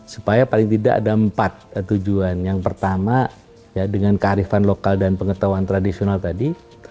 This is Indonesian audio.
supaya paling tidak ada empat tujuan yang pertama dengan kearifan lokal dan pengetahuan tradisional tadi